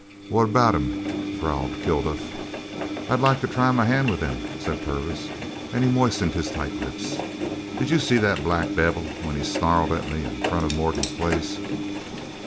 "What about him?" growled Kilduff. "I'd like to try my hand with him," said Purvis, and he moistened his tight lips. "Did you see the black devil when he snarled at me in front of Morgan's place?"